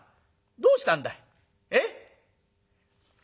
どうしたんだい？え？」。